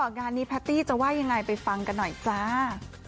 งานนี้แพตตี้จะว่ายังไงไปฟังกันหน่อยจ้า